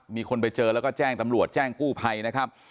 มีคนไปเจอแล้วก็แจ้งตำรวจแจ้งกู้ภัยนะครับ